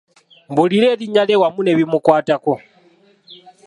Mbuulira erinnya lye wamu n'ebimukwatako.